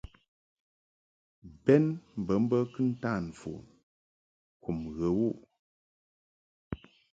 Bɛn bə mbə kɨntan mfon kum ghə wuʼ.